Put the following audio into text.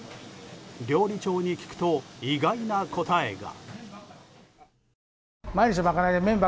料理長に聞くと、意外な答えが。